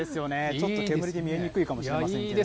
ちょっと煙で見えにくいかもしれませんけど。